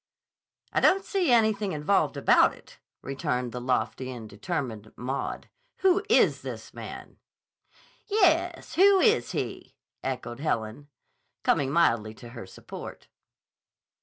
"I don't see anything involved about it," returned the lofty and determined Maud. "Who is this man?" "Yes; who is he?" echoed Helen, coming mildly to her support.